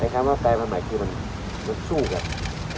ในคำว่าแฟนพันธุ์ใหม่คือมันสู้กับ